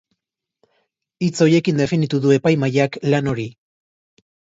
Hitz horiekin definitu du epaimahaiak lan hori.